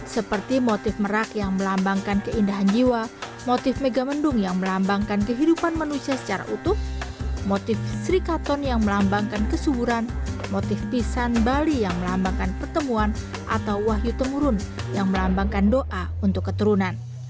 seperti motif merak yang melambangkan keindahan jiwa motif megamendung yang melambangkan kehidupan manusia secara utuh motif sri katon yang melambangkan kesuburan motif pisan bali yang melambangkan pertemuan atau wahyu temurun yang melambangkan doa untuk keturunan